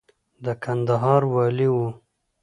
د کندهار والي و.